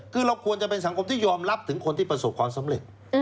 คือเราควรจะเป็นสังคมที่ยอมรับถึงคนที่ประสบความสำเร็จ